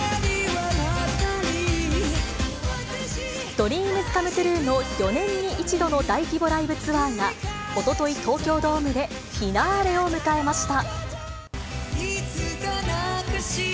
ＤＲＥＡＭＳＣＯＭＥＴＲＵＥの４年に１度の大規模ライブツアーが、おととい、東京ドームでフィナーレを迎えました。